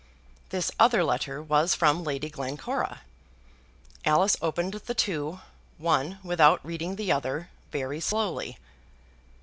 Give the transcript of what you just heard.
This other letter was from Lady Glencora. Alice opened the two, one without reading the other, very slowly.